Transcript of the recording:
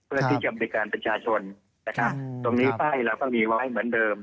เพื่อที่จะบริการประชาชนนะครับตรงนี้ป้ายเราก็มีไว้เหมือนเดิม